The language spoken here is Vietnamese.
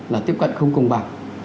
là tiếp cận không cùng bằng